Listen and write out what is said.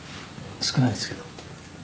少ないですけど。